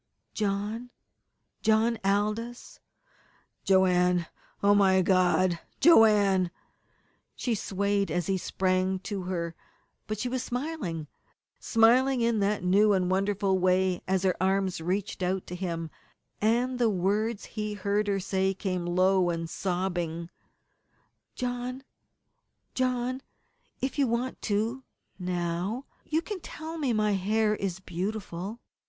"John John Aldous " "Joanne! Oh, my God! Joanne!" She swayed as he sprang to her, but she was smiling smiling in that new and wonderful way as her arms reached out to him, and the words he heard her say came low and sobbing: "John John, if you want to, now you can tell me that my hair is beautiful!"